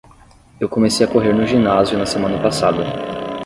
Eu comecei a correr no ginásio na semana passada.